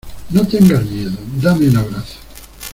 no tengas miedo, dame un abrazo.